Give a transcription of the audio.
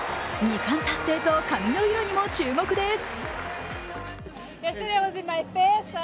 ２冠達成と髪の色にも注目です。